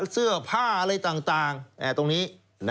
เสื้อผ้าอะไรต่างตรงนี้